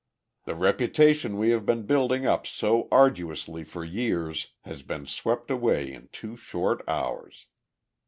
The reputation we have been building up so arduously for years has been swept away in two short hours.